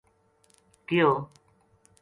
کہیو